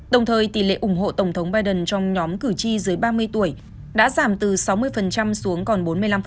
đồng thời tỷ lệ ủng hộ tổng thống biden trong nhóm cử tri dưới ba mươi tuổi đã giảm từ sáu mươi xuống còn bốn mươi năm